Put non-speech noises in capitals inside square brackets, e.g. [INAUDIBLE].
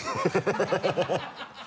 ハハハ [LAUGHS]